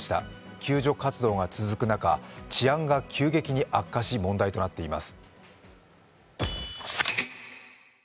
救助活動が続く中、治安が急速に悪化し問題となっています。